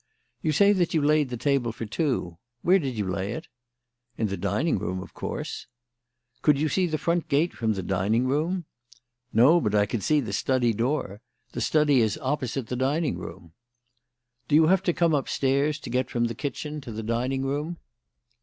"You say that you laid the table for two. Where did you lay it?" "In the dining room, of course." "Could you see the front gate from the dining room?" "No, but I could see the study door. The study is opposite the dining room." "Do you have to come upstairs to get from the kitchen to the dining room?"